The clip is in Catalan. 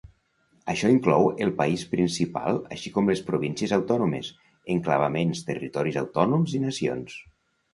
Això inclou el país principal així com les províncies autònomes, enclavaments, territoris autònoms i nacions.